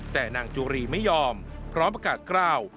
แต่นางจุรีไม่ยอมพร้อมประกาศกล้าว